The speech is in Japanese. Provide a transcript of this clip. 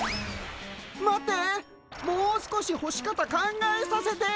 もう少しほし方考えさせて。